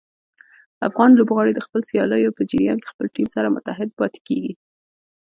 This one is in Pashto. افغان لوبغاړي د خپلو سیالیو په جریان کې خپل ټیم سره متحد پاتې کېږي.